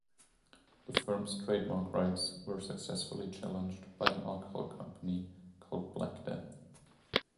The firms trademark rights were successfully challenged by an alcohol company called Black Death.